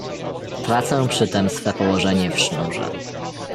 "Tracę przytem swe położenie w sznurze."